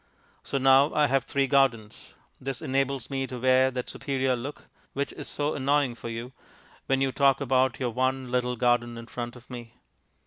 So now I have three gardens. This enables me to wear that superior look (which is so annoying for you) when you talk about your one little garden in front of me.